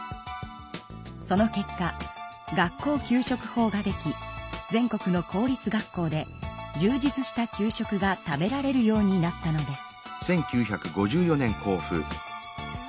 その結果学校給食法ができ全国の公立学校でじゅう実した給食が食べられるようになったのです。